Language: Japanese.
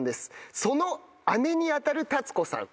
その姉に当たる立子さん。